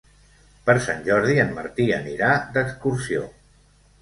Per Sant Jordi en Martí anirà d'excursió.